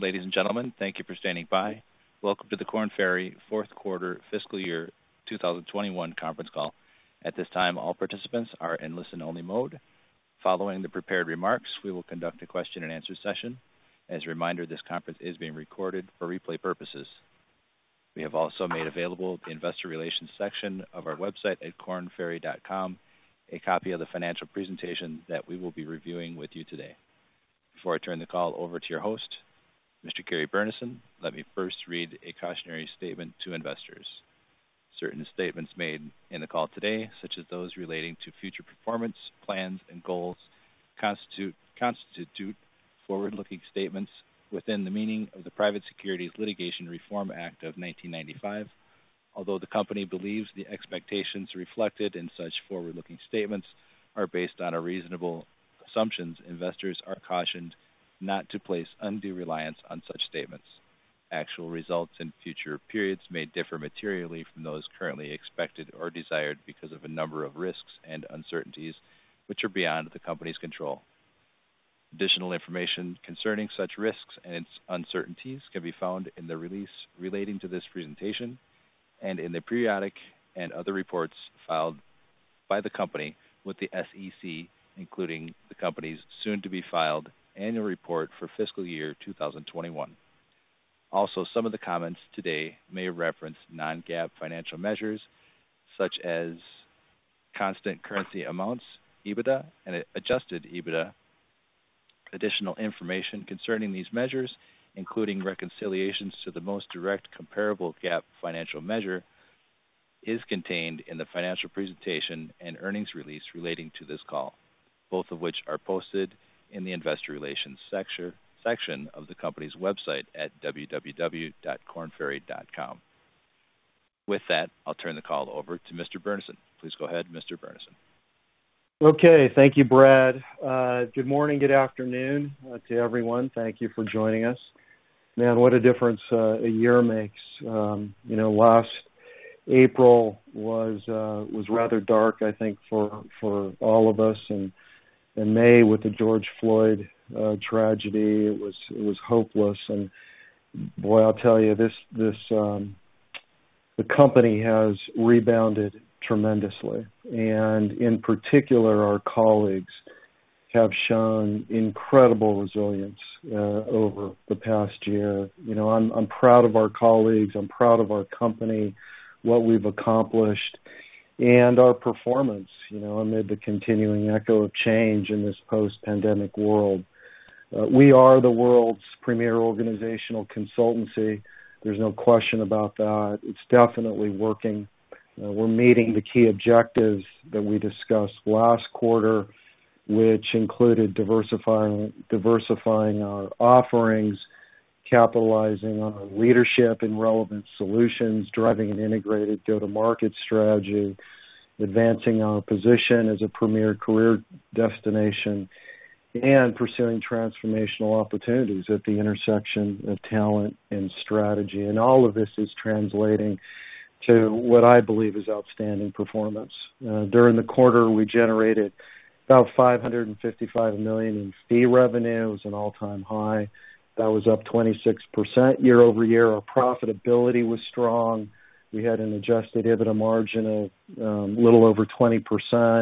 Ladies and gentlemen, thank you for standing by. Welcome to the Korn Ferry Fourth Quarter Fiscal Year 2021 Conference Call. At this time, all participants are in listen-only mode. Following the prepared remarks, we will conduct a question and answer session. As a reminder, this conference is being recorded for replay purposes. We have also made available at the investor relations section of our website at kornferry.com, a copy of the financial presentation that we will be reviewing with you today. Before I turn the call over to your host, Mr. Gary Burnison, let me first read a cautionary statement to investors. Certain statements made in the call today, such as those relating to future performance, plans, and goals, constitute forward-looking statements within the meaning of the Private Securities Litigation Reform Act of 1995. Although the company believes the expectations reflected in such forward-looking statements are based on our reasonable assumptions, investors are cautioned not to place undue reliance on such statements. Actual results in future periods may differ materially from those currently expected or desired because of a number of risks and uncertainties, which are beyond the company's control. Additional information concerning such risks and uncertainties can be found in the release relating to this presentation, and in the periodic and other reports filed by the company with the SEC, including the company's soon to be filed annual report for fiscal year 2021. Also, some of the comments today may reference non-GAAP financial measures, such as constant currency amounts, EBITDA, and adjusted EBITDA. Additional information concerning these measures, including reconciliations to the most direct comparable GAAP financial measure, is contained in the financial presentation and earnings release relating to this call, both of which are posted in the investor relations section of the company's website at www.kornferry.com. With that, I'll turn the call over to Mr. Burnison. Please go ahead, Mr. Burnison. Okay. Thank you, Brad. Good morning, good afternoon to everyone. Thank you for joining us. Man, what a difference a year makes. Last April was rather dark, I think, for all of us. In May, with the George Floyd tragedy, it was hopeless. Boy, I'll tell you, the company has rebounded tremendously. In particular, our colleagues have shown incredible resilience over the past year. I'm proud of our colleagues. I'm proud of our company, what we've accomplished, and our performance amid the continuing echo of change in this post-pandemic world. We are the world's premier organizational consultancy. There's no question about that. It's definitely working. We're meeting the key objectives that we discussed last quarter, which included diversifying our offerings, capitalizing on our leadership and relevant solutions, driving an integrated go-to-market strategy, advancing our position as a premier career destination, and pursuing transformational opportunities at the intersection of talent and strategy. All of this is translating to what I believe is outstanding performance. During the quarter, we generated about $555 million in fee revenue. It was an all-time high. That was up 26% year-over-year. Our profitability was strong. We had an adjusted EBITDA margin of little over 20%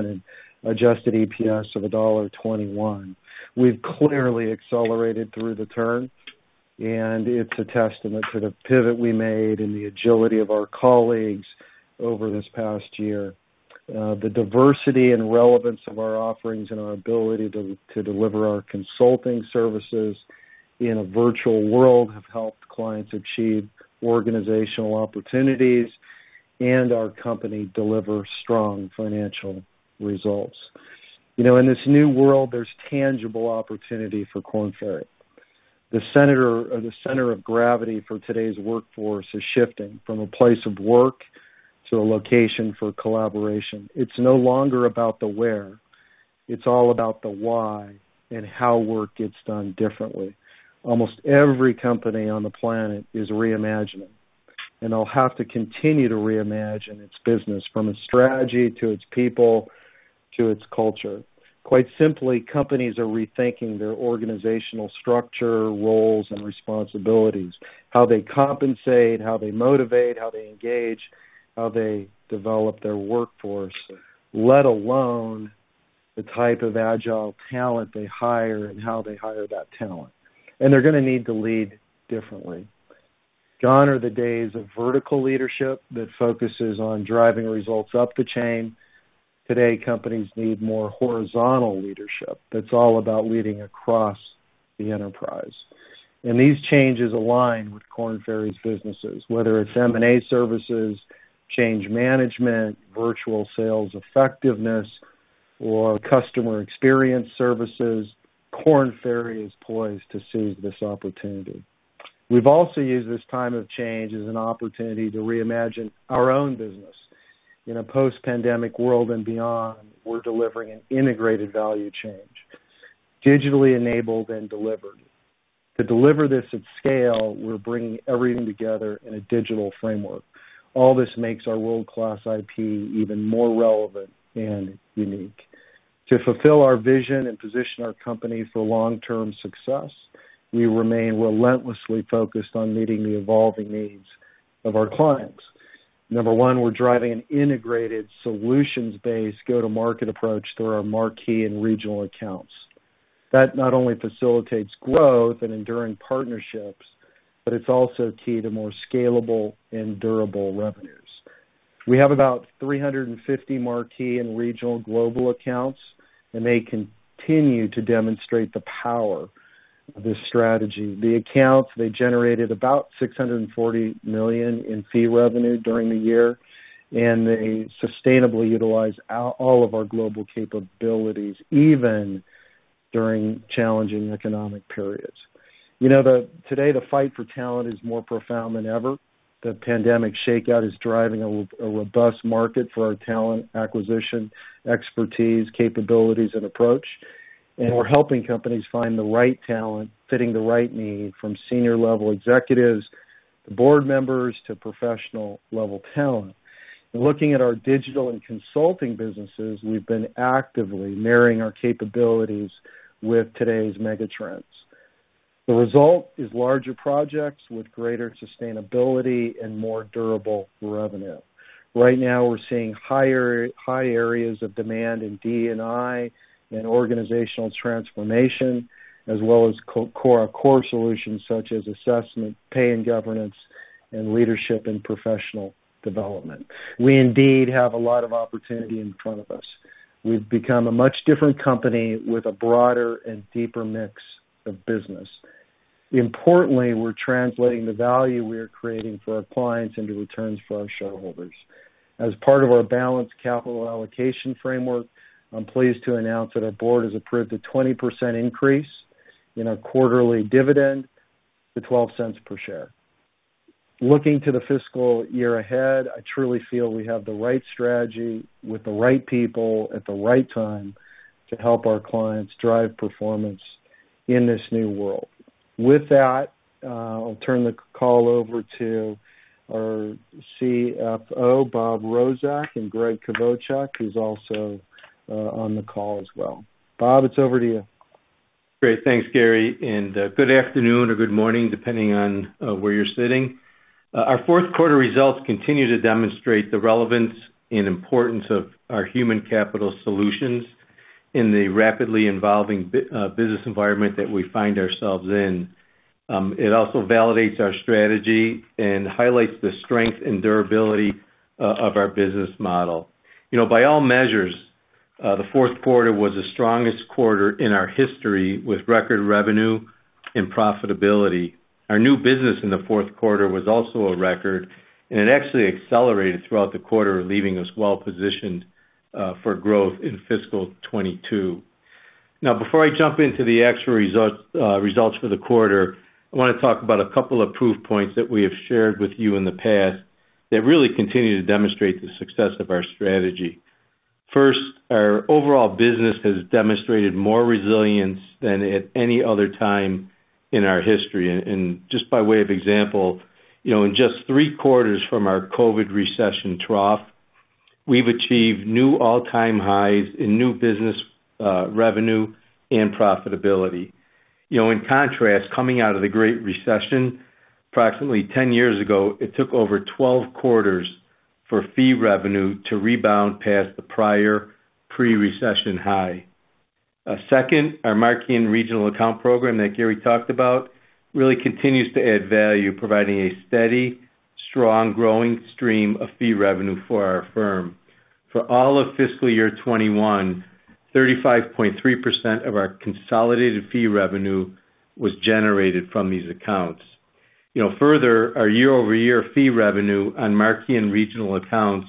and adjusted EPS of $1.21. We've clearly accelerated through the turn, and it's a testament to the pivot we made and the agility of our colleagues over this past year. The diversity and relevance of our offerings and our ability to deliver our consulting services in a virtual world have helped clients achieve organizational opportunities and our company deliver strong financial results. In this new world, there's tangible opportunity for Korn Ferry. The center of gravity for today's workforce is shifting from a place of work to a location for collaboration. It's no longer about the where. It's all about the why and how work gets done differently. Almost every company on the planet is reimagining, and it'll have to continue to reimagine its business from its strategy to its people to its culture. Quite simply, companies are rethinking their organizational structure, roles, and responsibilities. How they compensate, how they motivate, how they engage, how they develop their workforce, let alone the type of agile talent they hire and how they hire that talent. They're going to need to lead differently. Gone are the days of vertical leadership that focuses on driving results up the chain. Today, companies need more horizontal leadership that's all about leading across the enterprise. These changes align with Korn Ferry's businesses, whether it's M&A services, change management, virtual sales effectiveness, or customer experience services. Korn Ferry is poised to seize this opportunity. We've also used this time of change as an opportunity to reimagine our own business. In a post-pandemic world and beyond, we're delivering an integrated value chain, digitally enabled and delivered. To deliver this at scale, we're bringing everything together in a digital framework. All this makes our world-class IP even more relevant and unique. To fulfill our vision and position our company for long-term success, we remain relentlessly focused on meeting the evolving needs of our clients. Number one, we're driving an integrated solutions-based go-to-market approach through our marquee and regional accounts. That not only facilitates growth and enduring partnerships, but it's also key to more scalable and durable revenues. We have about 350 marquee and regional global accounts. They continue to demonstrate the power of this strategy. The accounts, they generated about $640 million in fee revenue during the year, and they sustainably utilize all of our global capabilities, even during challenging economic periods. Today, the fight for talent is more profound than ever. The pandemic shakeout is driving a robust market for our talent acquisition, expertise, capabilities, and approach. We're helping companies find the right talent fitting the right need from senior-level executives to board members to professional-level talent. Looking at our digital and consulting businesses, we've been actively marrying our capabilities with today's mega trends. The result is larger projects with greater sustainability and more durable revenue. Right now, we're seeing high areas of demand in D&I and organizational transformation, as well as core solutions such as assessment, pay and governance, and leadership and professional development. We indeed have a lot of opportunity in front of us. We've become a much different company with a broader and deeper mix of business. We're translating the value we are creating for our clients into returns for our shareholders. As part of our balanced capital allocation framework, I'm pleased to announce that our board has approved a 20% increase in our quarterly dividend to $0.12 per share. Looking to the fiscal year ahead, I truly feel we have the right strategy with the right people at the right time to help our clients drive performance in this new world. With that, I'll turn the call over to our CFO, Bob Rozek, and Gregg Kvochak, who's also on the call as well. Bob, it's over to you. Great. Thanks, Gary. Good afternoon or good morning, depending on where you're sitting. Our fourth quarter results continue to demonstrate the relevance and importance of our human capital solutions in the rapidly evolving business environment that we find ourselves in. It also validates our strategy and highlights the strength and durability of our business model. By all measures, the fourth quarter was the strongest quarter in our history with record revenue and profitability. Our new business in the fourth quarter was also a record, and it actually accelerated throughout the quarter, leaving us well-positioned for growth in fiscal 2022. Now, before I jump into the actual results for the quarter, I want to talk about a couple of proof points that we have shared with you in the past that really continue to demonstrate the success of our strategy. First, our overall business has demonstrated more resilience than at any other time in our history. Just by way of example, in just three quarters from our COVID recession trough, we've achieved new all-time highs in new business revenue and profitability. In contrast, coming out of the Great Recession approximately 10 years ago, it took over 12 quarters for fee revenue to rebound past the prior pre-recession high. Second, our marquee and regional account program that Gary talked about really continues to add value, providing a steady, strong, growing stream of fee revenue for our firm. For all of fiscal year 2021, 35.3% of our consolidated fee revenue was generated from these accounts. Further, our year-over-year fee revenue on marquee and regional accounts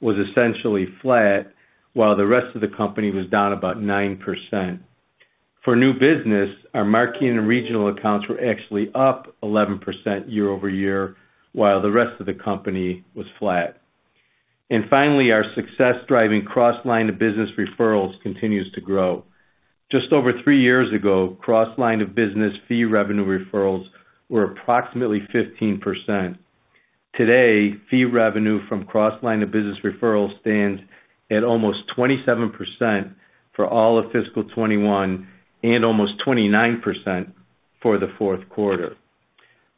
was essentially flat while the rest of the company was down about 9%. For new business, our marquee and regional accounts were actually up 11% year-over-year while the rest of the company was flat. Finally, our success driving cross-line of business referrals continues to grow. Just over three years ago, cross-line of business fee revenue referrals were approximately 15%. Today, fee revenue from cross-line of business referrals stands at almost 27% for all of fiscal 2021 and almost 29% for the fourth quarter.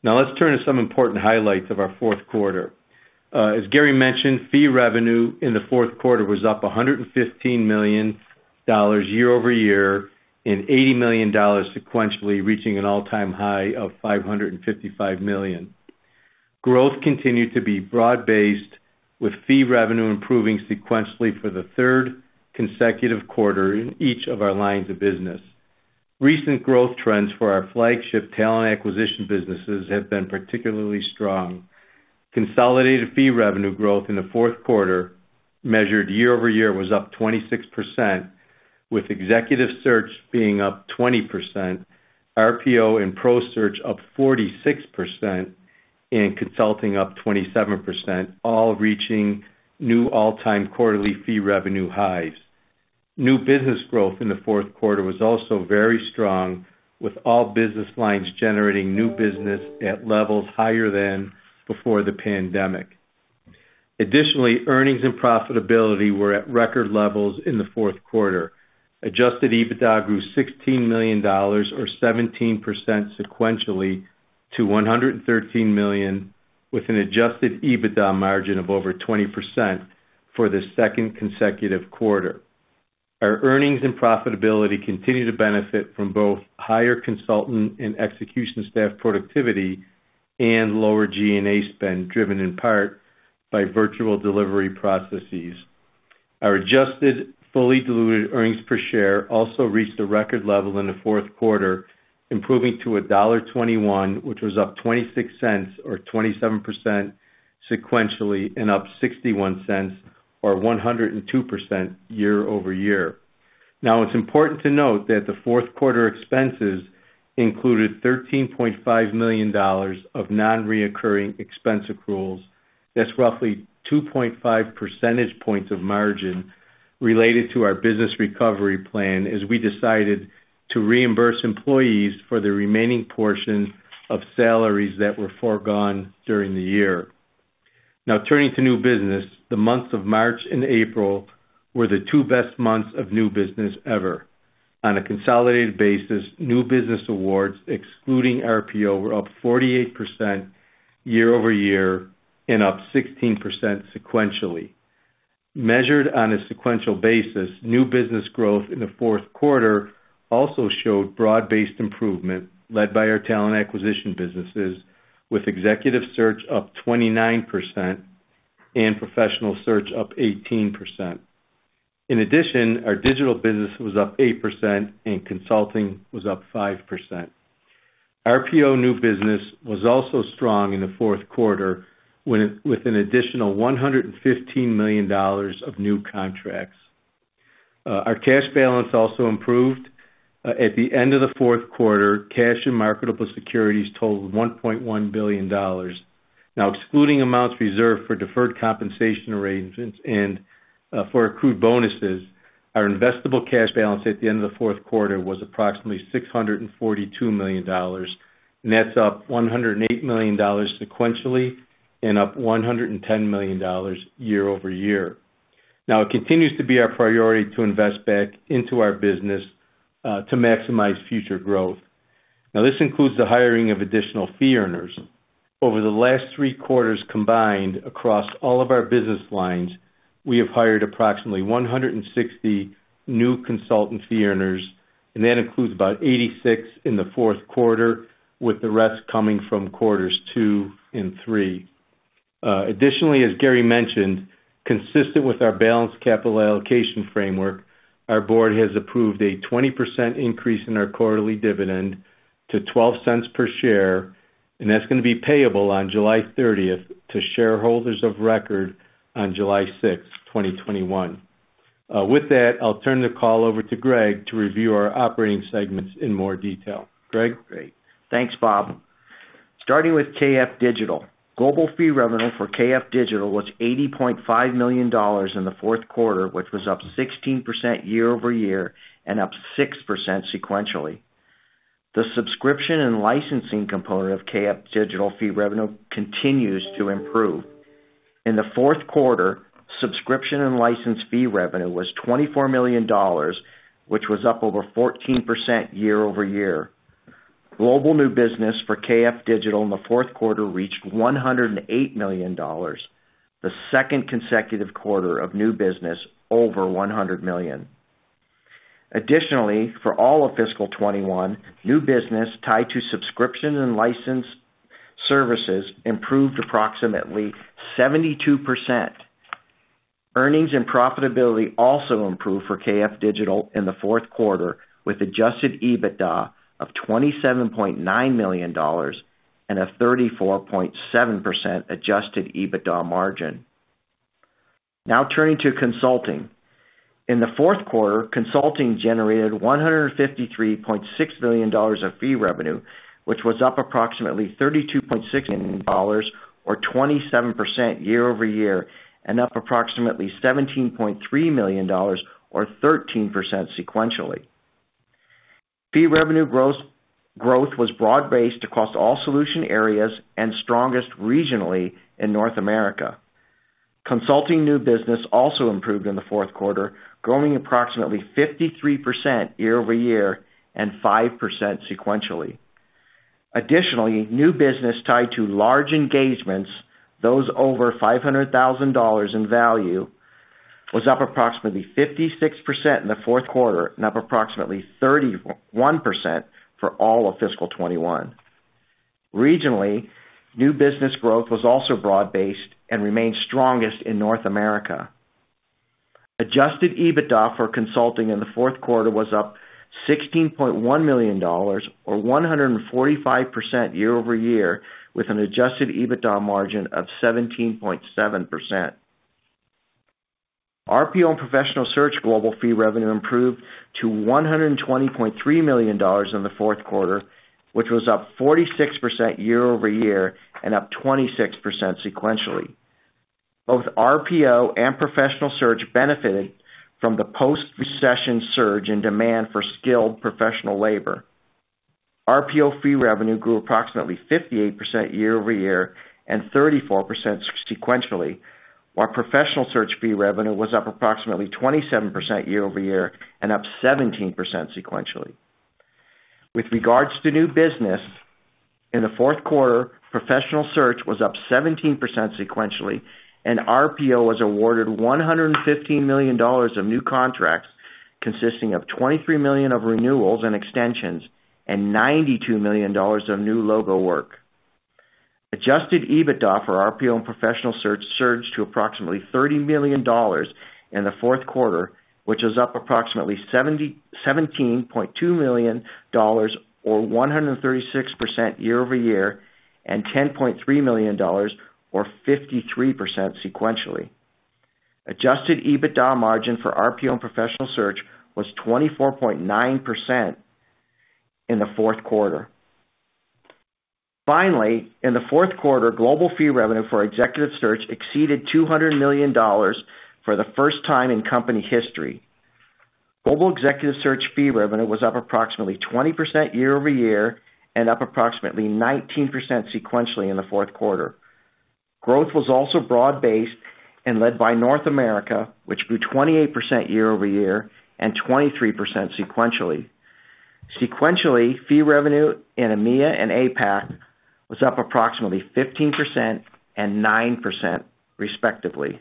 Let's turn to some important highlights of our fourth quarter. As Gary mentioned, fee revenue in the fourth quarter was up $115 million year-over-year and $80 million sequentially, reaching an all-time high of $555 million. Growth continued to be broad-based, with fee revenue improving sequentially for the third consecutive quarter in each of our lines of business. Recent growth trends for our flagship talent acquisition businesses have been particularly strong. Consolidated fee revenue growth in the fourth quarter measured year-over-year was up 26%, with executive search being up 20%, RPO and Professional Search up 46%, and consulting up 27%, all reaching new all-time quarterly fee revenue highs. New business growth in the fourth quarter was also very strong, with all business lines generating new business at levels higher than before the pandemic. Additionally, earnings and profitability were at record levels in the fourth quarter. Adjusted EBITDA grew $16 million, or 17% sequentially to $113 million, with an adjusted EBITDA margin of over 20% for the second consecutive quarter. Our earnings and profitability continue to benefit from both higher consultant and execution staff productivity and lower G&A spend, driven in part by virtual delivery processes. Our adjusted fully diluted earnings per share also reached a record level in the fourth quarter, improving to $1.21, which was up $0.26 or 27% sequentially, and up $0.61 or 102% year-over-year. Now, it's important to note that the fourth quarter expenses included $13.5 million of non-recurring expense accruals. That's roughly 2.5 percentage points of margin related to our business recovery plan, as we decided to reimburse employees for the remaining portion of salaries that were foregone during the year. Now turning to new business. The months of March and April were the two best months of new business ever. On a consolidated basis, new business awards, excluding RPO, were up 48% year-over-year and up 16% sequentially. Measured on a sequential basis, new business growth in the fourth quarter also showed broad-based improvement led by our talent acquisition businesses, with executive search up 29% and professional search up 18%. In addition, our digital business was up 8% and consulting was up 5%. RPO new business was also strong in the fourth quarter with an additional $115 million of new contracts. Our cash balance also improved. At the end of the fourth quarter, cash and marketable securities totaled $1.1 billion. Excluding amounts reserved for deferred compensation arrangements and for accrued bonuses, our investable cash balance at the end of the fourth quarter was approximately $642 million, and that's up $108 million sequentially and up $110 million year-over-year. It continues to be our priority to invest back into our business to maximize future growth. This includes the hiring of additional fee earners. Over the last three quarters combined across all of our business lines, we have hired approximately 160 new consultant fee earners, and that includes about 86 in the fourth quarter, with the rest coming from quarters two and three. Additionally, as Gary mentioned, consistent with our balanced capital allocation framework, our board has approved a 20% increase in our quarterly dividend to $0.12 per share, and that's going to be payable on July 30th to shareholders of record on July 6th, 2021. With that, I'll turn the call over to Gregg to review our operating segments in more detail. Gregg? Great. Thanks, Bob. Starting with KF Digital. Global fee revenue for KF Digital was $80.5 million in the fourth quarter, which was up 16% year-over-year and up 6% sequentially. The subscription and licensing component of KF Digital fee revenue continues to improve. In the fourth quarter, subscription and license fee revenue was $24 million, which was up over 14% year-over-year. Global new business for KF Digital in the fourth quarter reached $108 million, the second consecutive quarter of new business over $100 million. Additionally, for all of fiscal 2021, new business tied to subscription and license services improved approximately 72%. Earnings and profitability also improved for KF Digital in the fourth quarter, with adjusted EBITDA of $27.9 million and a 34.7% adjusted EBITDA margin. Now turning to consulting. In the fourth quarter, consulting generated $153.6 million of fee revenue, which was up approximately $32.6 million or 27% year-over-year, and up approximately $17.3 million or 13% sequentially. Fee revenue growth was broad-based across all solution areas and strongest regionally in North America. Consulting new business also improved in the fourth quarter, growing approximately 53% year-over-year and 5% sequentially. Additionally, new business tied to large engagements, those over $500,000 in value, was up approximately 56% in the fourth quarter and up approximately 31% for all of fiscal 2021. Regionally, new business growth was also broad-based and remained strongest in North America. Adjusted EBITDA for consulting in the fourth quarter was up $16.1 million or 145% year-over-year, with an adjusted EBITDA margin of 17.7%. RPO and Professional Search global fee revenue improved to $120.3 million in the fourth quarter, which was up 46% year-over-year and up 26% sequentially. Both RPO and Professional Search benefited from the post-recession surge in demand for skilled professional labor. RPO fee revenue grew approximately 58% year-over-year and 34% sequentially. While Professional Search fee revenue was up approximately 27% year-over-year and up 17% sequentially. With regards to new business, in the fourth quarter, Professional Search was up 17% sequentially, and RPO was awarded $115 million of new contracts, consisting of $23 million of renewals and extensions and $92 million of new logo work. Adjusted EBITDA for RPO and Professional Search surged to approximately $30 million in the fourth quarter, which is up approximately $17.2 million, or 136% year-over-year, and $10.3 million, or 53% sequentially. Adjusted EBITDA margin for RPO and Professional Search was 24.9% in the fourth quarter. Finally, in the fourth quarter, global fee revenue for Executive Search exceeded $200 million for the first time in company history. Global Executive Search fee revenue was up approximately 20% year-over-year and up approximately 19% sequentially in the fourth quarter. Growth was also broad-based and led by North America, which grew 28% year-over-year and 23% sequentially. Sequentially, fee revenue in EMEIA and APAC was up approximately 15% and 9%, respectively.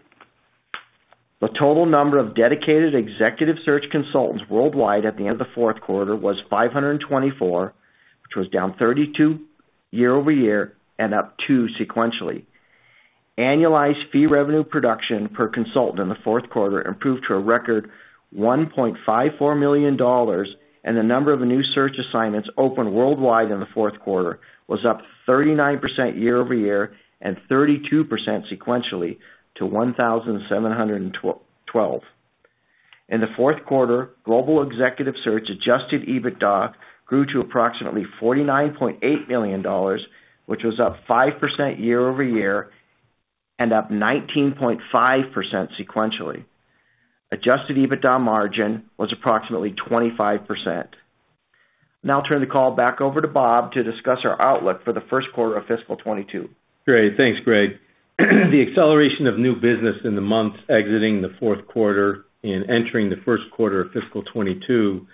The total number of dedicated Executive Search consultants worldwide at the end of the fourth quarter was 524, which was down 32 year-over-year and up two sequentially. Annualized fee revenue production per consultant in the fourth quarter improved to a record $1.54 million, and the number of new search assignments opened worldwide in the fourth quarter was up 39% year-over-year and 32% sequentially to 1,712. In the fourth quarter, global Executive Search adjusted EBITDA grew to approximately $49.8 million, which was up 5% year-over-year and up 19.5% sequentially. Adjusted EBITDA margin was approximately 25%. Now I'll turn the call back over to Bob to discuss our outlook for the first quarter of fiscal 2022. Great. Thanks, Gregg. The acceleration of new business in the months exiting the fourth quarter and entering the first quarter of fiscal 2022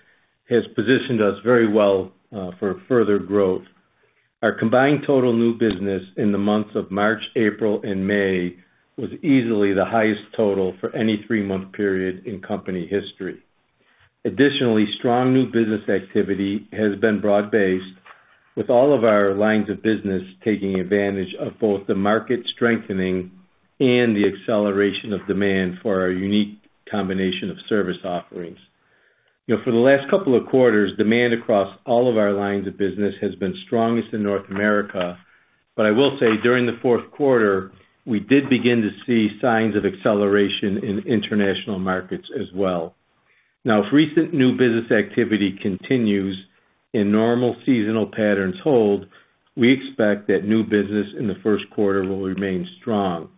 has positioned us very well for further growth. Our combined total new business in the months of March, April, and May was easily the highest total for any three-month period in company history. Additionally, strong new business activity has been broad based, with all of our lines of business taking advantage of both the market strengthening and the acceleration of demand for our unique combination of service offerings. For the last couple of quarters, demand across all of our lines of business has been strongest in North America. I will say, during the fourth quarter, we did begin to see signs of acceleration in international markets as well. Now, if recent new business activity continues and normal seasonal patterns hold, we expect that new business in the first quarter will remain strong.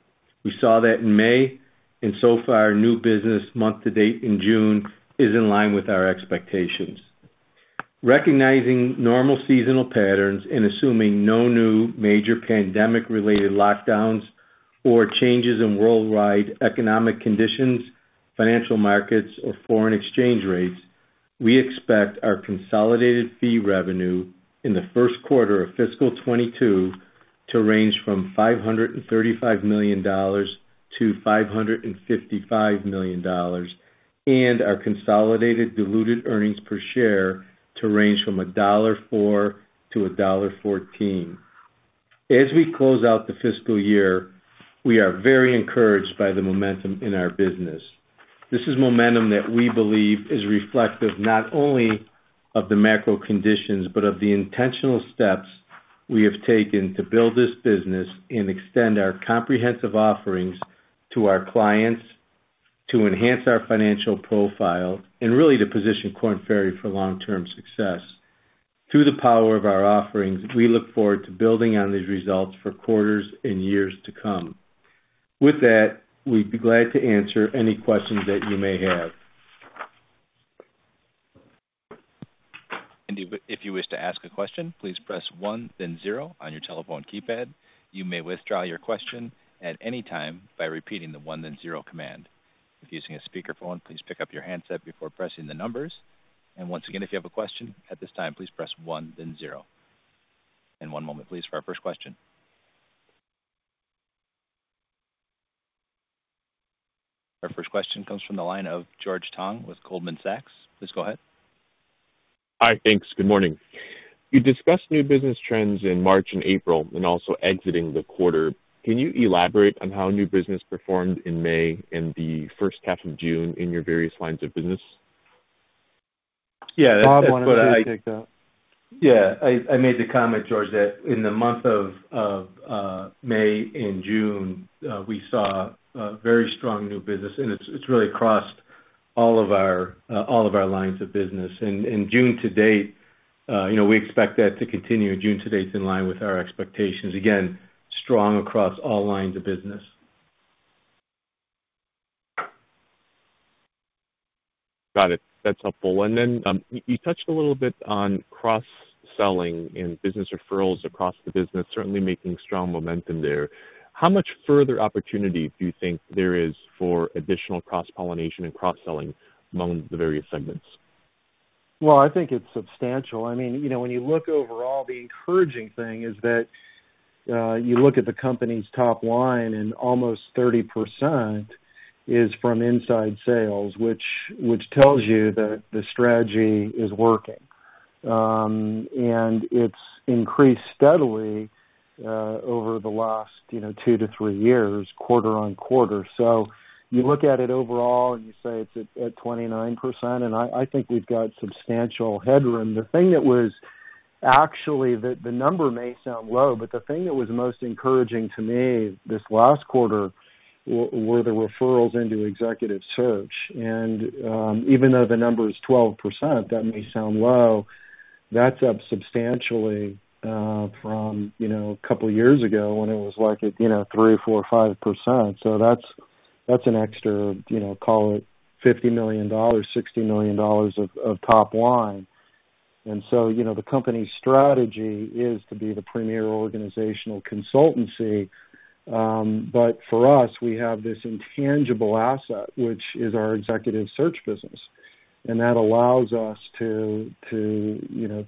We saw that in May, and so far, new business month to date in June is in line with our expectations. Recognizing normal seasonal patterns and assuming no new major pandemic-related lockdowns or changes in worldwide economic conditions, financial markets, or foreign exchange rates, we expect our consolidated fee revenue in the first quarter of fiscal 2022 to range from $535 million-$555 million, and our consolidated diluted earnings per share to range from a $1.04-$1.14. As we close out the fiscal year, we are very encouraged by the momentum in our business. This is momentum that we believe is reflective not only of the macro conditions, but of the intentional steps we have taken to build this business and extend our comprehensive offerings to our clients to enhance our financial profile and really to position Korn Ferry for long-term success. Through the power of our offerings, we look forward to building on these results for quarters and years to come. With that, we'd be glad to answer any questions that you may have. And if you wish to ask a question, please press one, then zero on your telephone keypad. You may withdraw your question at any time by repeating the one, then zero command. If using a speakerphone, please pick up your handset before pressing the numbers. And once again, if you have a question at this time, please press one, then zero. And one moment please for our first question. Our first question comes from the line of George Tong with Goldman Sachs. Please go ahead. Hi. Thanks. Good morning. You discussed new business trends in March and April and also exiting the quarter. Can you elaborate on how new business performed in May and the first half of June in your various lines of business? Yeah. That's what I- Bob wanted to take that. Yeah. I made the comment, George, that in the month of May and June, we saw very strong new business, and it's really across all of our lines of business. June to date, we expect that to continue. June to date's in line with our expectations. Again, strong across all lines of business. Got it. That's helpful. You touched a little bit on cross-selling and business referrals across the business, certainly making strong momentum there. How much further opportunity do you think there is for additional cross-pollination and cross-selling among the various segments? Well, I think it's substantial. When you look overall, the encouraging thing is that you look at the company's top line, and almost 30% is from inside sales, which tells you that the strategy is working. It's increased steadily over the last two-three years, quarter-over-quarter. You look at it overall, and you say it's at 29%, and I think we've got substantial headroom. The number may sound low, but the thing that was most encouraging to me this last quarter were the referrals into executive search. Even though the number is 12%, that may sound low, that's up substantially from a couple of years ago when it was like 3%, 4%, 5%. That's an extra, call it $50 million, $60 million of top line. The company's strategy is to be the premier organizational consultancy. But for us, we have this intangible asset, which is our executive search business. that allows us to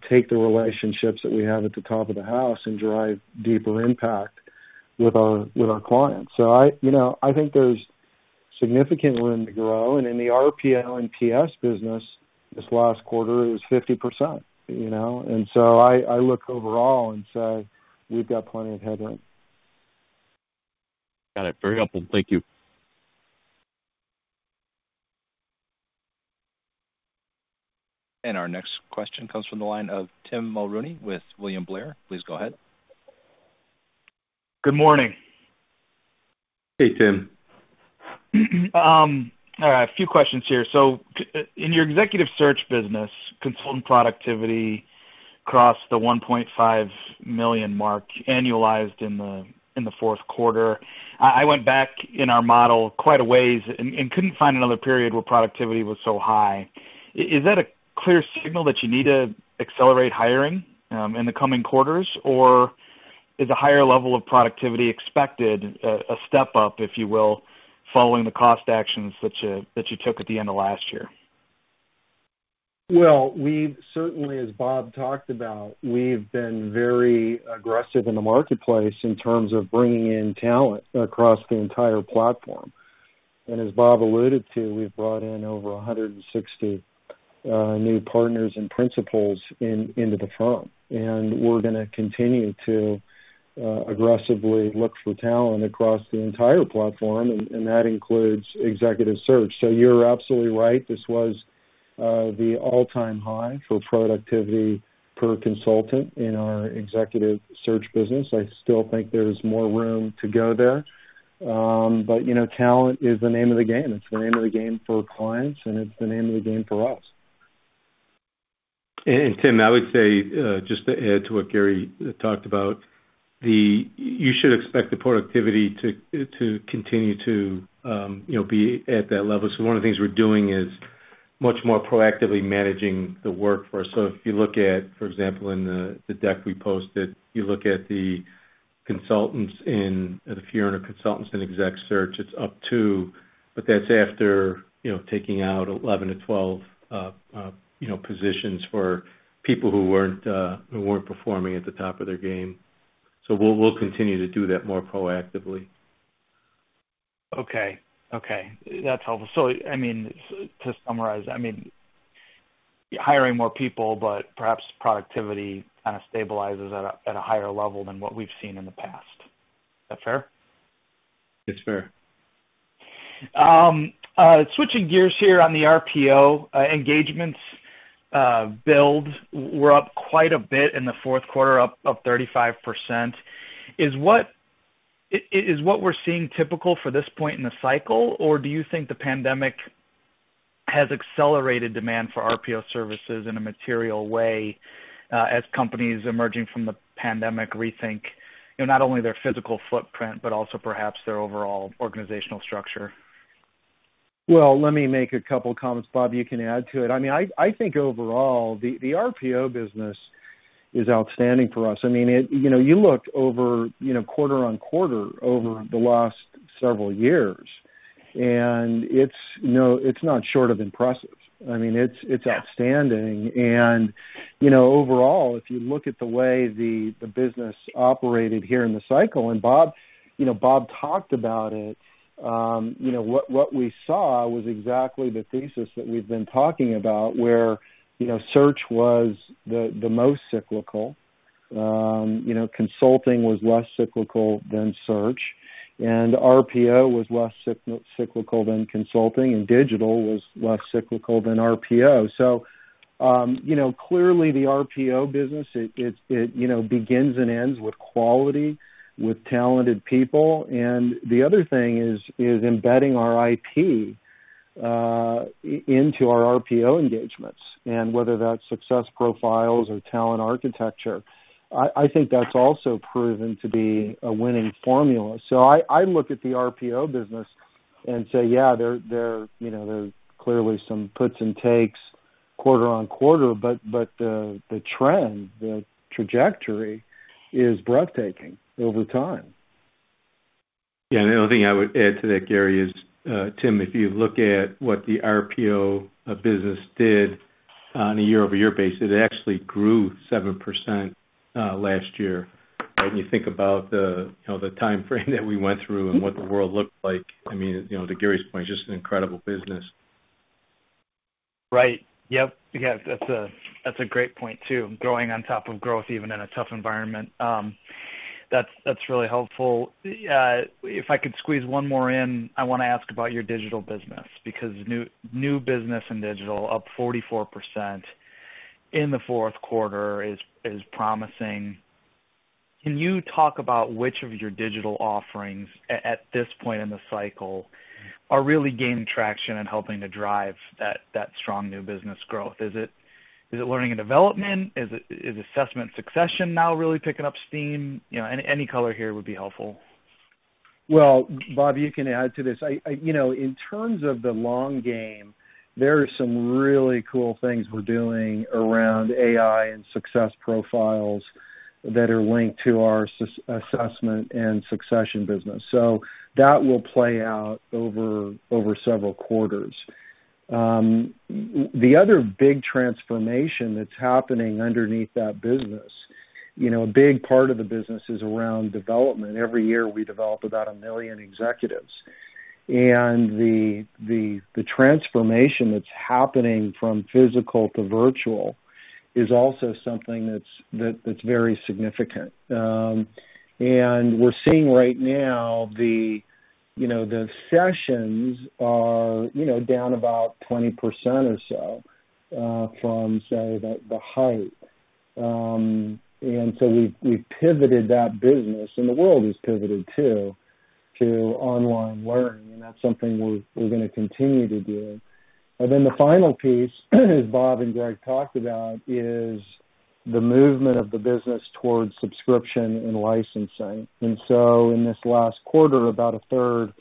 take the relationships that we have at the top of the house and drive deeper impact with our clients. I think there's significant room to grow in the RPO and PS business, this last quarter, it was 50%. I look overall and say we've got plenty of headroom. Got it. Very helpful. Thank you. Our next question comes from the line of Tim Mulrooney with William Blair. Please go ahead. Good morning. Hey, Tim. A few questions here. In your executive search business, consultant productivity crossed the 1.5 million mark annualized in the fourth quarter. I went back in our model quite a ways and couldn't find another period where productivity was so high. Is that a clear signal that you need to accelerate hiring in the coming quarters, or is a higher level of productivity expected, a step up, if you will, following the cost actions that you took at the end of last year? Well, certainly as Bob talked about, we've been very aggressive in the marketplace in terms of bringing in talent across the entire platform. As Bob alluded to, we've brought in over 160 new partners and principals into the firm, and we're going to continue to aggressively look for talent across the entire platform, and that includes executive search. You're absolutely right. This was the all-time high for productivity per consultant in our executive search business. I still think there's more room to go there. Talent is the name of the game. It's the name of the game for clients, and it's the name of the game for us. Tim, I would say, just to add to what Gary talked about, you should expect the productivity to continue to be at that level. One of the things we're doing is much more proactively managing the workforce. If you look at, for example, in the deck we posted, you look at the consultants in, the 400 consultants in exec search, it's up two, but that's after taking out 11-12 positions for people who weren't performing at the top of their game. We'll continue to do that more proactively. Okay. That's helpful. to summarize, hiring more people, but perhaps productivity kind of stabilizes at a higher level than what we've seen in the past. Is that fair? It's fair. Switching gears here on the RPO engagements build, we're up quite a bit in the fourth quarter, up 35%. Is what we're seeing typical for this point in the cycle, or do you think the pandemic has accelerated demand for RPO services in a material way as companies emerging from the pandemic rethink not only their physical footprint, but also perhaps their overall organizational structure? Well, let me make a couple comments. Bob, you can add to it. I think overall, the RPO business is outstanding for us. You look over quarter-over-quarter over the last several years, and it's not short of impressive. It's outstanding. Overall, if you look at the way the business operated here in the cycle, and Bob talked about it, what we saw was exactly the thesis that we've been talking about, where search was the most cyclical. Consulting was less cyclical than search, and RPO was less cyclical than consulting, and digital was less cyclical than RPO. Clearly the RPO business, it begins and ends with quality, with talented people, and the other thing is embedding our IP into our RPO engagements, and whether that's success profiles or talent architecture. I think that's also proven to be a winning formula. I look at the RPO business and say, yeah, there's clearly some puts and takes quarter on quarter, but the trend, the trajectory is breathtaking over time. Yeah, the only thing I would add to that, Gary, is, Tim, if you look at what the RPO business did on a year-over-year basis, it actually grew 7% last year. When you think about the timeframe that we went through and what the world looked like, to Gary's point, just an incredible business. Right. Yep. Yeah, that's a great point, too. Growing on top of growth, even in a tough environment. That's really helpful. If I could squeeze one more in, I want to ask about your digital business, because new business in digital up 44% in the fourth quarter is promising. Can you talk about which of your digital offerings, at this point in the cycle, are really gaining traction and helping to drive that strong new business growth? Is it learning and development? Is assessment and succession now really picking up steam? Any color here would be helpful. Well, Bob, you can add to this. In terms of the long game, there are some really cool things we're doing around AI and success profiles that are linked to our assessment and succession business. That will play out over several quarters. The other big transformation that's happening underneath that business, a big part of the business is around development. Every year we develop about 1 million executives, and the transformation that's happening from physical to virtual is also something that's very significant. We're seeing right now the sessions are down about 20% or so from, say, the height. We've pivoted that business, and the world has pivoted, too, to online learning, and that's something we're going to continue to do. The final piece Bob and Gregg talked about is the movement of the business towards subscription and licensing. In this last quarter, about a third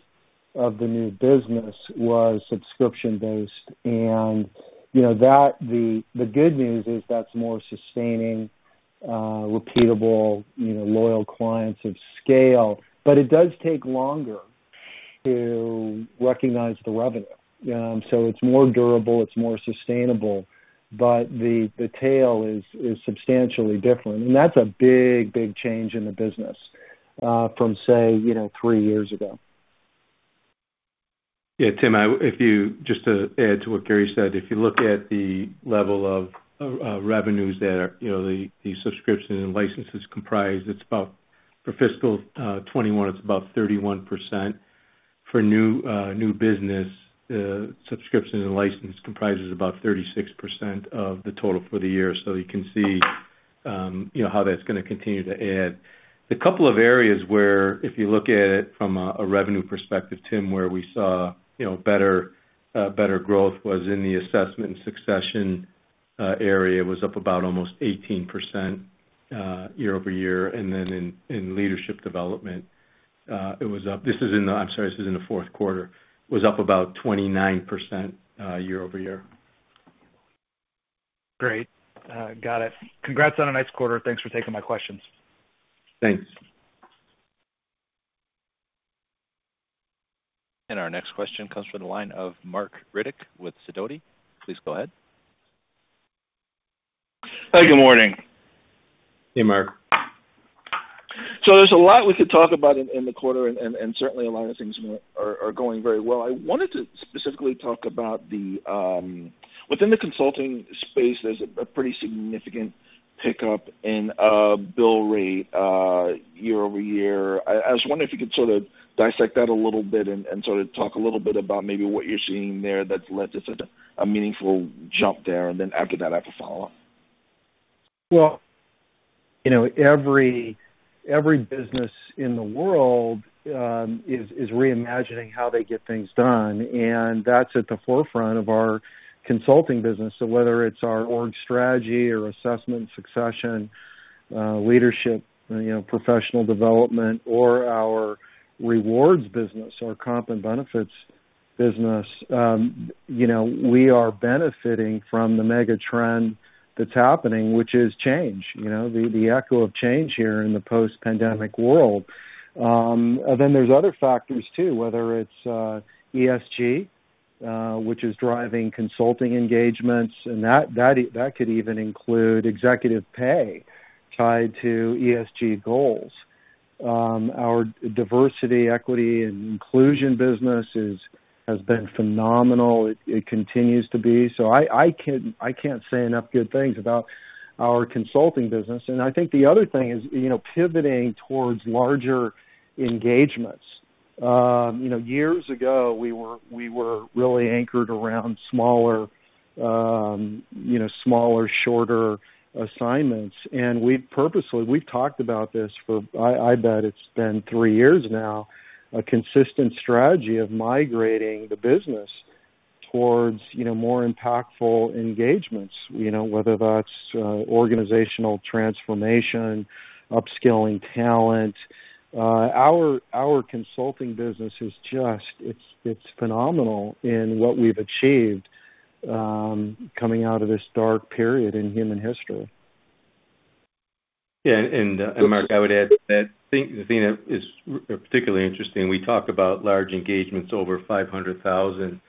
of the new business was subscription-based, and the good news is that's more sustaining, repeatable, loyal clients of scale. It does take longer to recognize the revenue. It's more durable, it's more sustainable, but the tail is substantially different. That's a big, big change in the business from, say, three years ago. Yeah, Tim, just to add to what Gary said, if you look at the level of revenues there, the subscription and licenses comprised, for fiscal 2021, it's about 31%. For new business, subscription and license comprises about 36% of the total for the year. You can see how that's going to continue to add. The couple of areas where, if you look at it from a revenue perspective, Tim, where we saw better growth was in the assessment and succession area, was up about almost 18% year-over-year. In leadership development, this is in the fourth quarter, was up about 29% year-over-year. Great. Got it. Congrats on a nice quarter. Thanks for taking my questions. Thanks. our next question comes from the line of Marc Riddick with Sidoti. Please go ahead. Hey, good morning. Hey, Marc. There's a lot we could talk about in the quarter, and certainly a lot of things are going very well. I wanted to specifically talk about within the consulting space, there's a pretty significant pickup in bill rate year-over-year. I was wondering if you could sort of dissect that a little bit and talk a little bit about maybe what you're seeing there that's led to such a meaningful jump there, and then after that I have a follow-up. Well, every business in the world is reimagining how they get things done, and that's at the forefront of our consulting business. whether it's our org strategy or assessment and succession, leadership, professional development, or our rewards business, our comp and benefits business, we are benefiting from the mega-trend that's happening, which is change, the echo of change here in the post-pandemic world. then there's other factors, too, whether it's ESG, which is driving consulting engagements, and that could even include executive pay tied to ESG goals. Our diversity, equity, and inclusion business has been phenomenal. It continues to be. I can't say enough good things about our consulting business. I think the other thing is pivoting towards larger engagements. Years ago, we were really anchored around smaller, shorter assignments. We've purposely, we've talked about this for, I bet it's been three years now, a consistent strategy of migrating the business towards more impactful engagements, whether that's organizational transformation, upskilling talent. Our consulting business is just. It's phenomenal in what we've achieved coming out of this dark period in human history. Yeah. Marc, I would add that the thing that is particularly interesting, we talk about large engagements over 500,000.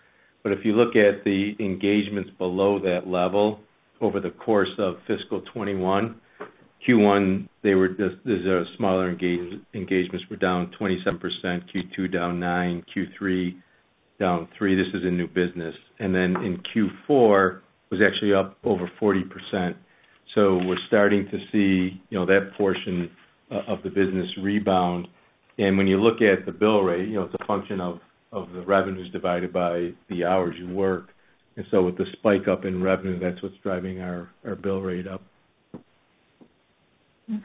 If you look at the engagements below that level over the course of fiscal 2021, Q1, the smaller engagements were down 27%, Q2 down nine, Q3 down three. This is in new business. In Q4, was actually up over 40%. We're starting to see that portion of the business rebound. When you look at the bill rate, it's a function of the revenues divided by the hours you work. With the spike up in revenue, that's what's driving our bill rate up.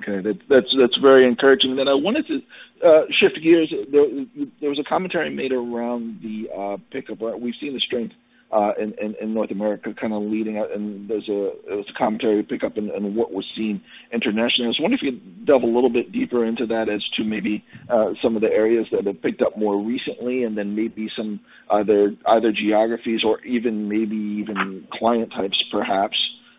Okay. That's very encouraging. I wanted to shift gears. There was a commentary made around the pickup. We've seen the strength in North America kind of leading, and there was a commentary pickup in what was seen internationally. I was wondering if you could delve a little bit deeper into that as to maybe some of the areas that have picked up more recently, and then maybe some other geographies or even maybe even client types perhaps,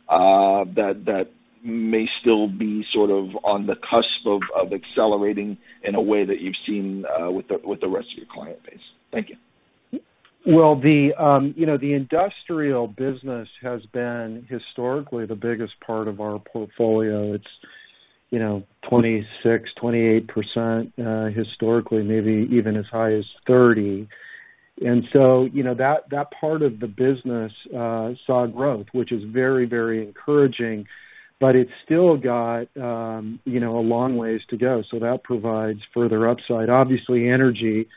that may still be sort of on the cusp of accelerating in a way that you've seen with the rest of your client base. Thank you. Well, the industrial business has been historically the biggest part of our portfolio. It's 26%, 28%, historically, maybe even as high as 30%. That part of the business saw growth, which is very encouraging, but it's still got a long ways to go. That provides further upside. Obviously, energy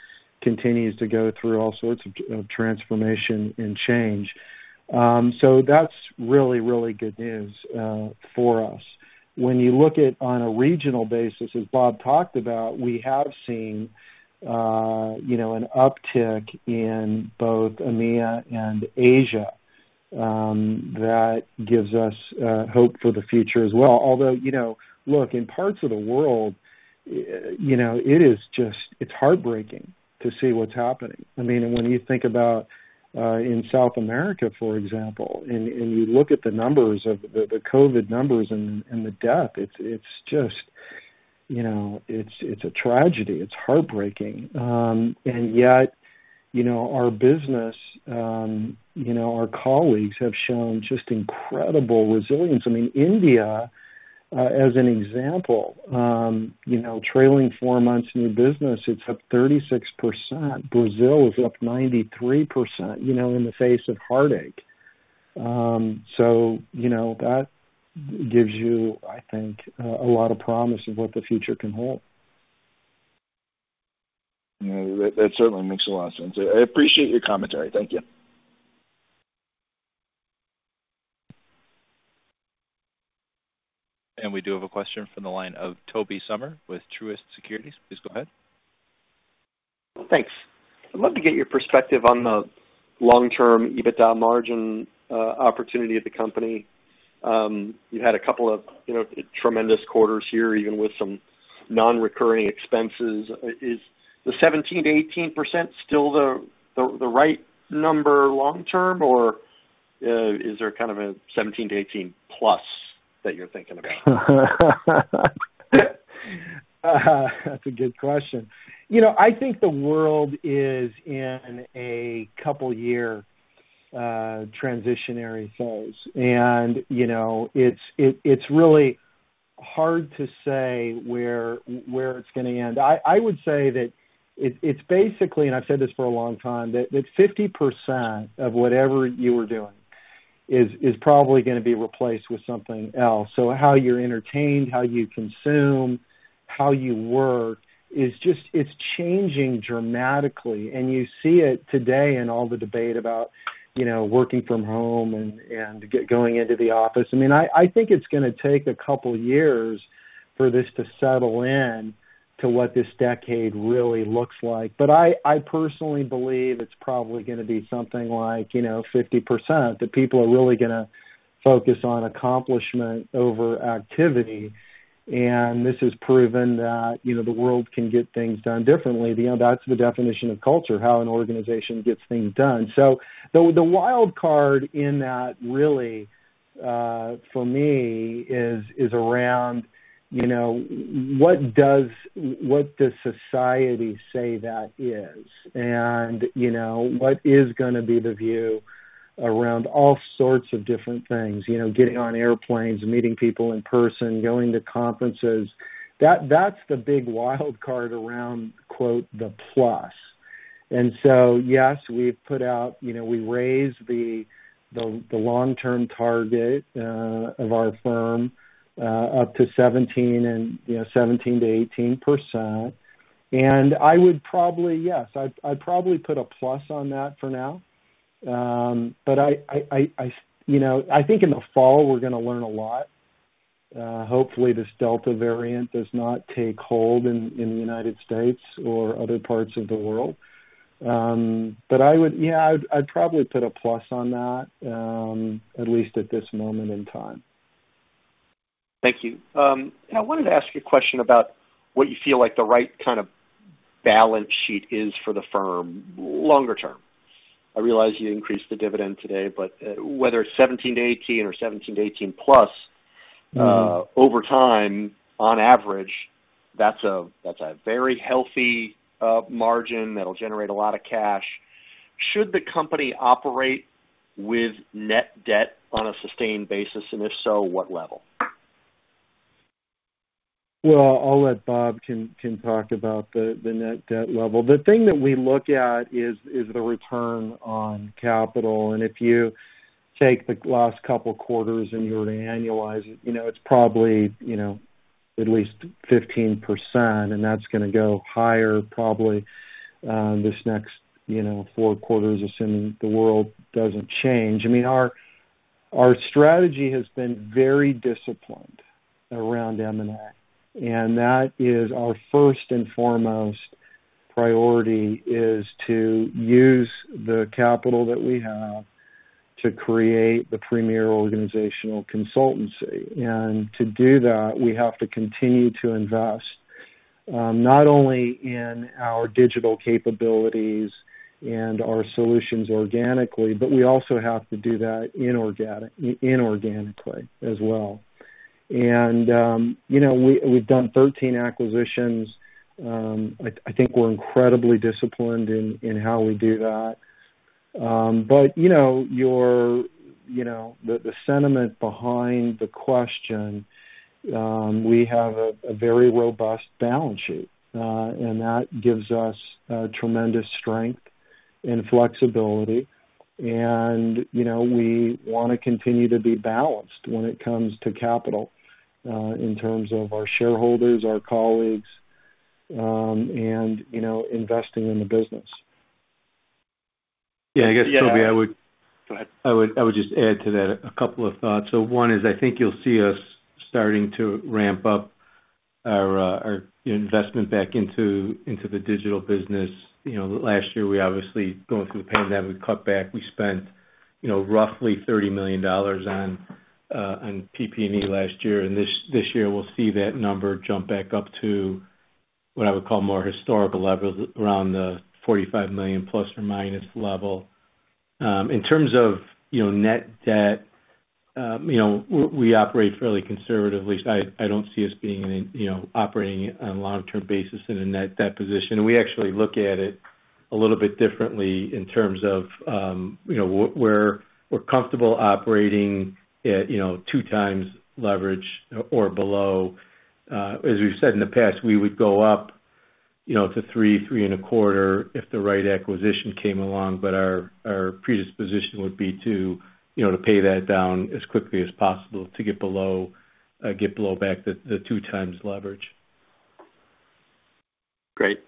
continues to go through all sorts of transformation and change. That's really good news for us. When you look at on a regional basis, as Bob talked about, we have seen an uptick in both EMEIA and Asia. That gives us hope for the future as well. Look, in parts of the world, it's heartbreaking to see what's happening. When you think about in South America, for example, and you look at the COVID numbers and the death, it's a tragedy. It's heartbreaking. Our business, our colleagues have shown just incredible resilience. India, as an example, trailing four months new business, it's up 36%. Brazil is up 93%, in the face of heartache. That gives you, I think, a lot of promise of what the future can hold. That certainly makes a lot of sense. I appreciate your commentary. Thank you. We do have a question from the line of Tobey Sommer with Truist Securities. Please go ahead. Thanks. I'd love to get your perspective on the long-term EBITDA margin opportunity of the company. You've had a couple of tremendous quarters here, even with some non-recurring expenses. Is the 17%-18% still the right number long term, or is there kind of a 17-18 plus that you're thinking about? That's a good question. I think the world is in a couple year transitionary phase, and it's really hard to say where it's going to end. I would say that it's basically, and I've said this for a long time, that 50% of whatever you are doing is probably going to be replaced with something else. How you're entertained, how you consume, how you work is just, it's changing dramatically. You see it today in all the debate about working from home and going into the office. I think it's going to take a couple of years for this to settle in to what this decade really looks like. I personally believe it's probably going to be something like 50%, that people are really going to focus on accomplishment over activity. This has proven that the world can get things done differently. That's the definition of culture, how an organization gets things done. The wild card in that really for me is around what does society say that is? What is going to be the view around all sorts of different things, getting on airplanes, meeting people in person, going to conferences. That's the big wild card around, quote, "the plus." Yes, we raised the long-term target of our firm up to 17%-18%. I would probably, yes, I'd probably put a plus on that for now. I think in the fall we're going to learn a lot. Hopefully, this Delta variant does not take hold in the United States or other parts of the world. I'd probably put a plus on that, at least at this moment in time. Thank you. I wanted to ask you a question about what you feel like the right kind of balance sheet is for the firm longer term. I realize you increased the dividend today, but whether it's 17, 18 or 17, 18 plus, over time, on average, that's a very healthy margin that'll generate a lot of cash. Should the company operate with net debt on a sustained basis, and if so, what level? Well, I'll let Bob talk about the net debt level. The thing that we look at is the return on capital. If you take the last couple of quarters and you were to annualize it's probably at least 15%, and that's going to go higher probably this next four quarters, assuming the world doesn't change. Our strategy has been very disciplined around M&A, and that is our first and foremost priority is to use the capital that we have to create the premier organizational consultancy. To do that, we have to continue to invest not only in our digital capabilities and our solutions organically, but we also have to do that inorganically as well. We've done 13 acquisitions. I think we're incredibly disciplined in how we do that. The sentiment behind the question, we have a very robust balance sheet, and that gives us tremendous strength and flexibility. we want to continue to be balanced when it comes to capital in terms of our shareholders, our colleagues, and investing in the business. Yeah, I guess, Tobey, I would just add to that a couple of thoughts. One is, I think you'll see us starting to ramp up our investment back into the digital business. Last year, we obviously, going through the pandemic, cut back. We spent roughly $30 million on PP&E last year, and this year we'll see that number jump back up to what I would call more historical levels, around the $45 million plus or minus level. In terms of net debt, we operate fairly conservatively. I don't see us operating on a long-term basis in a net debt position. We actually look at it a little bit differently in terms of we're comfortable operating at 2x leverage or below. As we've said in the past, we would go up to three in a quarter if the right acquisition came along, but our predisposition would be to pay that down as quickly as possible to get back below the 2x leverage. Great.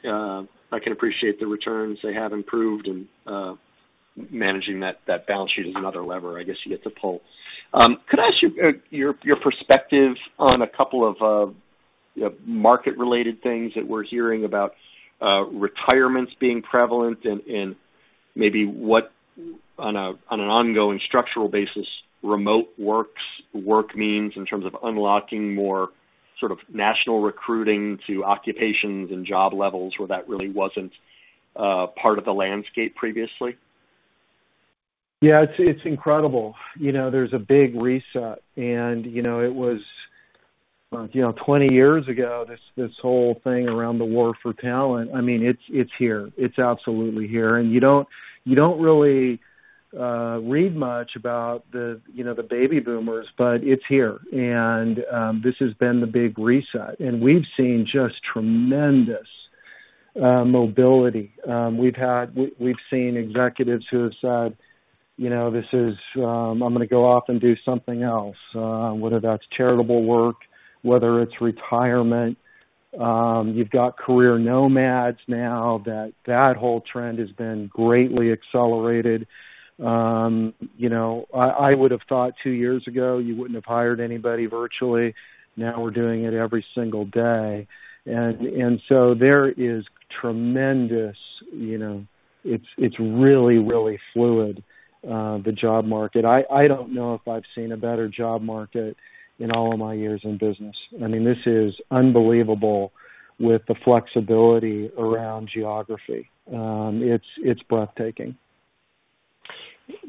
I can appreciate the returns they have improved, and managing that balance sheet is another lever, I guess you get to pull. Can I ask you your perspective on a couple of market-related things that we're hearing about retirements being prevalent, and maybe what on an ongoing structural basis, remote work means in terms of unlocking more sort of national recruiting to occupations and job levels where that really wasn't part of the landscape previously? Yeah, it's incredible. There's a big reset. It was 20 years ago, this whole thing around the war for talent. It's here. It's absolutely here. You don't really read much about the baby boomers, but it's here. This has been the big reset. We've seen just tremendous mobility. We've seen executives who have said, "I'm going to go off and do something else," whether that's charitable work, whether it's retirement. You've got career nomads now that whole trend has been greatly accelerated. I would have thought two years ago you wouldn't have hired anybody virtually. Now we're doing it every single day. There is tremendous. It's really, really fluid, the job market. I don't know if I've seen a better job market in all of my years in business. This is unbelievable with the flexibility around geography. It's breathtaking.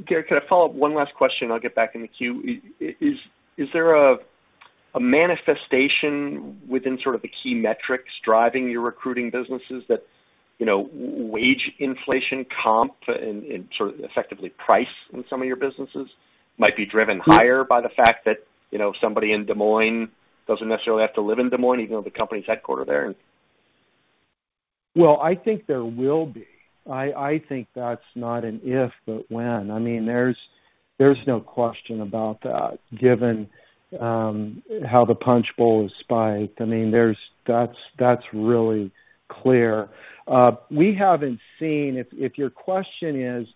Gary, can I follow up one last question? I'll get back in the queue. Is there a manifestation within sort of the key metrics driving your recruiting businesses that wage inflation comp and sort of effectively price in some of your businesses might be driven higher by the fact that somebody in Des Moines doesn't necessarily have to live in Des Moines, even though the company's headquartered there. Well, I think there will be. I think that's not an if, but when. There's no question about that, given how the punch bowl has spiked. That's really clear. If your question is,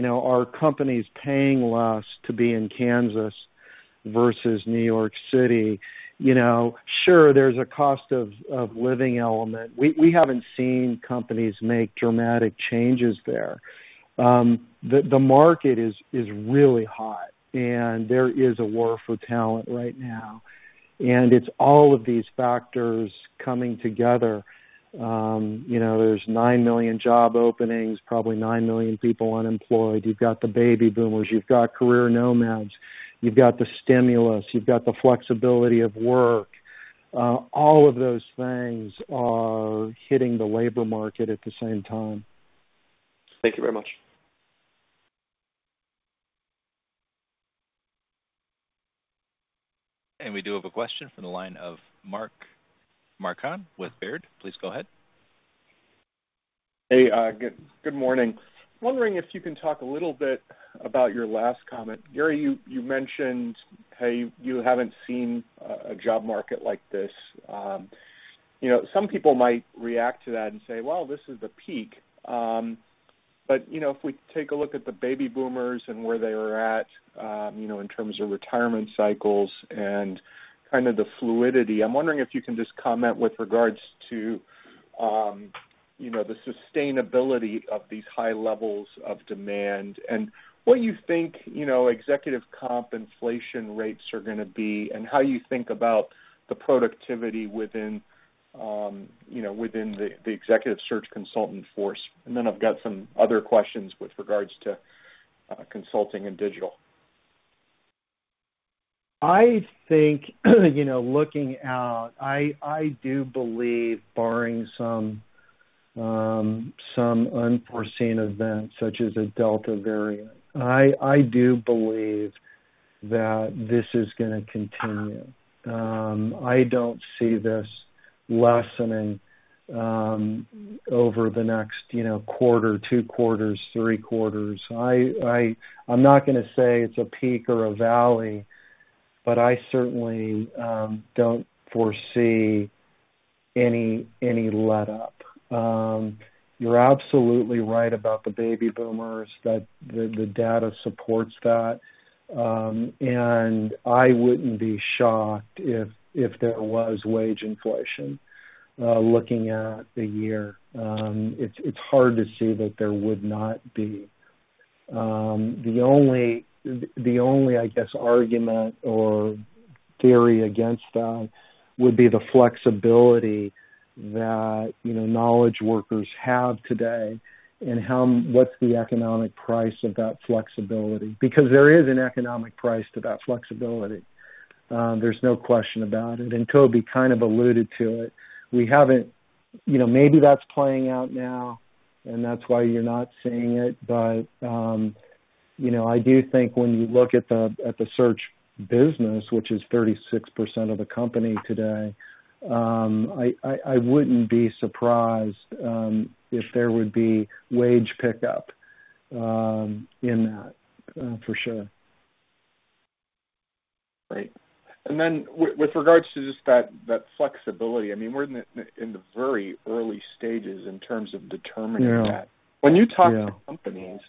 are companies paying less to be in Kansas versus New York City? Sure, there's a cost of living element. We haven't seen companies make dramatic changes there. The market is really hot, and there is a war for talent right now. it's all of these factors coming together. There's nine million job openings, probably nine million people unemployed. You've got the baby boomers. You've got career nomads. You've got the stimulus. You've got the flexibility of work. All of those things are hitting the labor market at the same time. Thank you very much. We do have a question from the line of Mark Marcon with Baird. Please go ahead. Hey, good morning. Wondering if you can talk a little bit about your last comment. Gary, you mentioned how you haven't seen a job market like this. Some people might react to that and say, "Well, this is the peak." If we take a look at the baby boomers and where they are at in terms of retirement cycles and kind of the fluidity, I'm wondering if you can just comment with regards to the sustainability of these high levels of demand and what you think executive comp inflation rates are going to be and how you think about the productivity within the executive search consultant force. I've got some other questions with regards to consulting and digital. I think, looking out, I do believe barring some unforeseen event, such as a Delta variant, I do believe that this is going to continue. I don't see this lessening over the next quarter, two quarters, three quarters. I'm not going to say it's a peak or a valley, but I certainly don't foresee any let-up. You're absolutely right about the baby boomers, that the data supports that. I wouldn't be shocked if there was wage inflation. Looking at the year, it's hard to see that there would not be. The only, I guess, argument or theory against that would be the flexibility that knowledge workers have today and what's the economic price of that flexibility. Because there is an economic price to that flexibility. There's no question about it. Tobey Sommer kind of alluded to it. Maybe that's playing out now, and that's why you're not seeing it. I do think when you look at the search business, which is 36% of the company today, I wouldn't be surprised if there would be wage pickup in that, for sure. Right. With regards to just that flexibility, we're in the very early stages in terms of determining that. Yeah. When you talk to companies,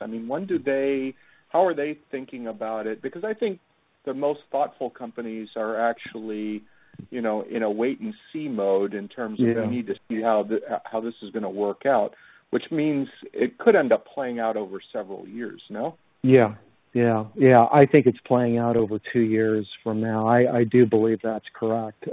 how are they thinking about it? I think the most thoughtful companies are actually in a wait-and-see mode in terms of. Yeah We need to see how this is going to work out, which means it could end up playing out over several years, no? Yeah. I think it's playing out over two years from now. I do believe that's correct.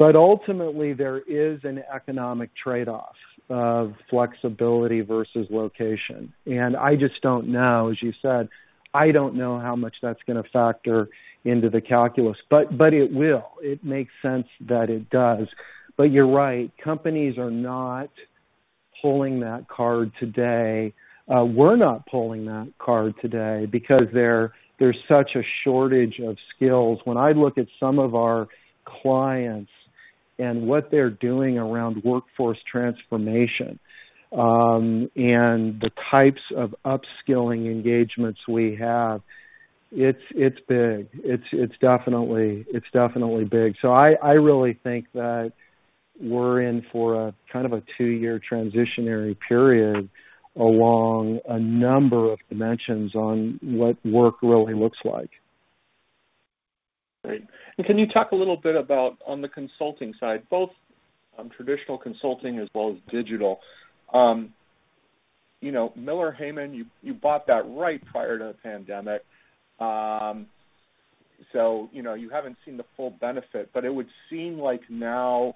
Ultimately, there is an economic trade-off of flexibility versus location, and I just don't know, as you said, I don't know how much that's going to factor into the calculus. It will. It makes sense that it does. You're right, companies are not pulling that card today. We're not pulling that card today because there's such a shortage of skills. When I look at some of our clients and what they're doing around workforce transformation, and the types of upskilling engagements we have, it's big. It's definitely big. I really think that we're in for a kind of a two-year transitionary period along a number of dimensions on what work really looks like. Right. Can you talk a little bit about, on the consulting side, both traditional consulting as well as Digital. Miller Heiman, you bought that right prior to the pandemic. You haven't seen the full benefit, but it would seem like now,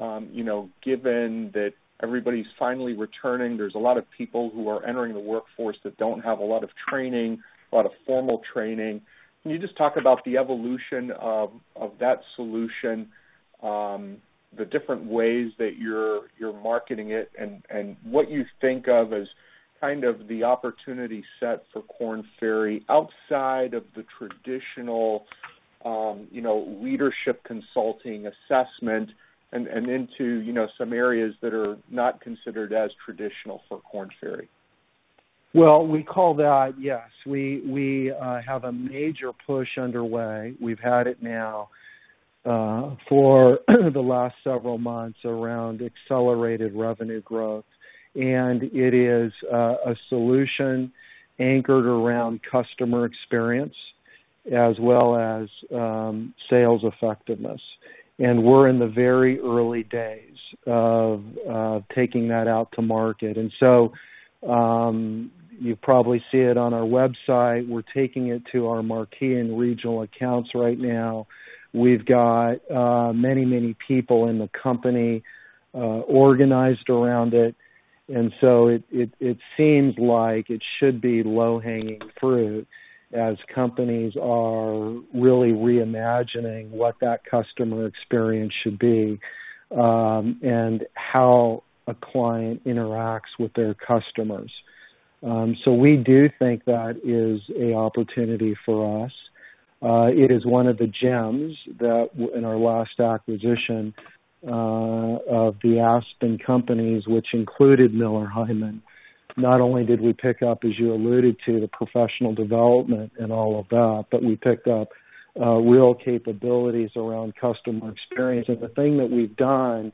given that everybody's finally returning, there's a lot of people who are entering the workforce that don't have a lot of training, a lot of formal training. Can you just talk about the evolution of that solution, the different ways that you're marketing it, and what you think of as kind of the opportunity set for Korn Ferry outside of the traditional leadership consulting assessment and into some areas that are not considered as traditional for Korn Ferry? Well, we call that, yes, we have a major push underway. We've had it now for the last several months around accelerated revenue growth, and it is a solution anchored around customer experience as well as sales effectiveness. We're in the very early days of taking that out to market. You probably see it on our website. We're taking it to our marquee and regional accounts right now. We've got many people in the company organized around it. It seems like it should be low-hanging fruit as companies are really reimagining what that customer experience should be, and how a client interacts with their customers. We do think that is an opportunity for us. It is one of the gems that in our last acquisition of the Aspen companies, which included Miller Heiman, not only did we pick up, as you alluded to, the professional development and all of that, but we picked up real capabilities around customer experience. The thing that we've done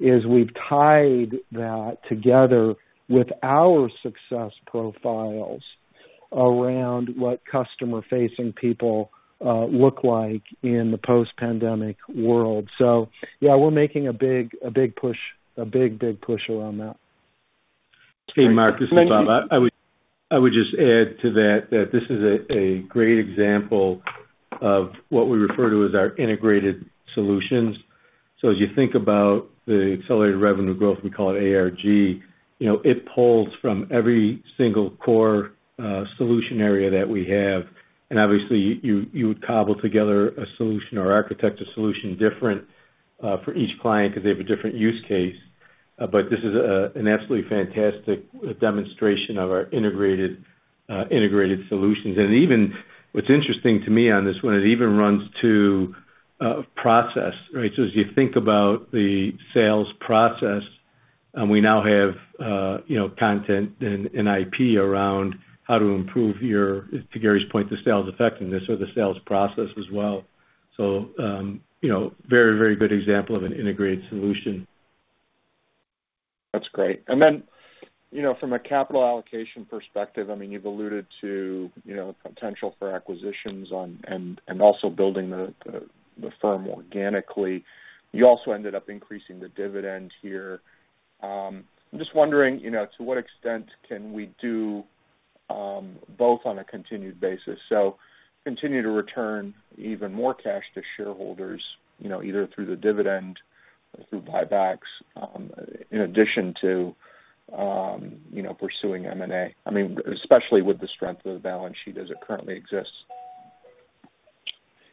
is we've tied that together with our success profiles around what customer-facing people look like in the post-pandemic world. Yeah, we're making a big push around that. Hey, Mark, if I might, I would just add to that this is a great example of what we refer to as our integrated solutions. As you think about the accelerated revenue growth, we call it ARG, it pulls from every single core solution area that we have, and obviously you would cobble together a solution or architect a solution different for each client because they have a different use case. This is an absolutely fantastic demonstration of our integrated solutions, and what's interesting to me on this, when it even runs to process, right? As you think about the sales process, we now have content and IP around how to improve your, to Gary's point, the sales effectiveness or the sales process as well. Very good example of an integrated solution. That's great. From a capital allocation perspective, you've alluded to the potential for acquisitions and also building the firm organically. You also ended up increasing the dividend here. I'm just wondering to what extent can we do both on a continued basis. Continue to return even more cash to shareholders, either through the dividend or through buybacks, in addition to pursuing M&A, especially with the strength of the balance sheet as it currently exists.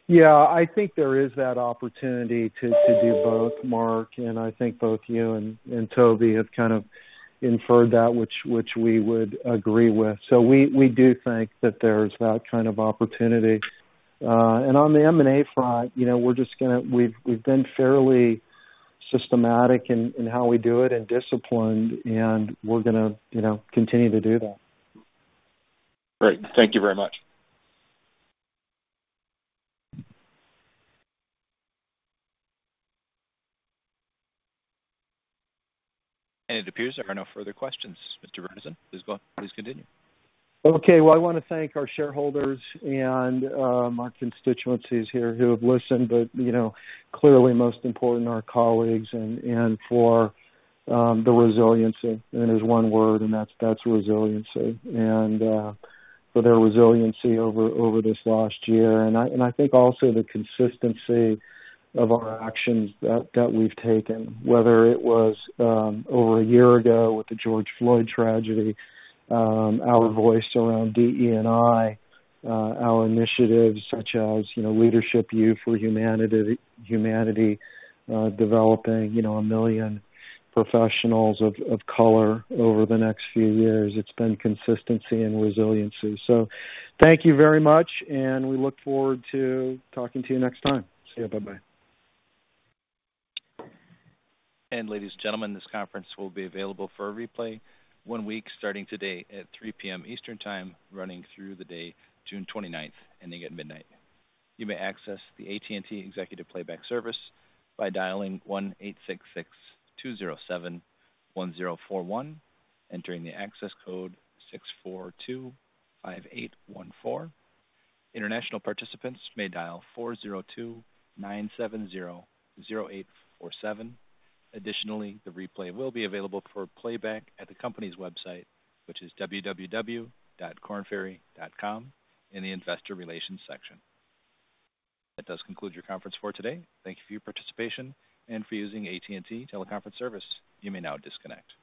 Yeah, I think there is that opportunity to do both, Mark, and I think both you and Tobey have kind of inferred that, which we would agree with. We do think that there's that kind of opportunity. On the M&A front, we've been fairly systematic in how we do it and disciplined, and we're going to continue to do that. Great. Thank you very much. It appears there are no further questions, Mr. Burnison. Please go ahead. Please continue. Okay. Well, I want to thank our shareholders and our constituencies here who have listened, but clearly most important, our colleagues, and for the resiliency. There's one word, and that's resiliency. For their resiliency over this last year. I think also the consistency of our actions that we've taken, whether it was over a year ago with the George Floyd tragedy, our voice around DE&I, our initiatives such as Leadership U for Humanity, developing a million professionals of color over the next few years. It's been consistency and resiliency. Thank you very much, and we look forward to talking to you next time. See you. Bye-bye. ladies, gentlemen, this conference will be available for replay one week starting today at 3:00 P.M. Eastern Time running through the day June 29th, ending at midnight. You may access the AT&T Executive Playback service by dialing 1-866-207-1041, entering the access code 6425814. International participants may dial 4029700847. Additionally, the replay will be available for playback at the company's website, which is www.kornferry.com in the investor relations section. That does conclude your conference for today. Thank you for your participation and for using AT&T teleconference service. You may now disconnect.